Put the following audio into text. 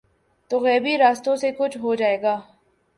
تو غیبی راستوں سے کچھ ہو جائے گا۔